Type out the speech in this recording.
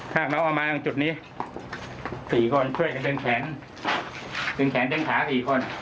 ถ้าน้องเอามาจากจุดนี้สี่คนช่วยกันเดินแขนเดินแขนเดินขาสี่คน